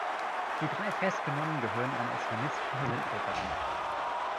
Die drei Festgenommenen gehören einer islamistischen Studentengruppe an.